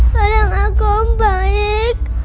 tolong aku om baik